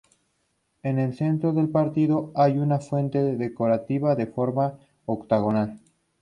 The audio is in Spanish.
En el centro del patio hay una fuente decorativa de forma octogonal.